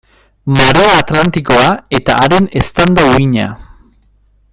Marea Atlantikoa eta haren eztanda-uhina.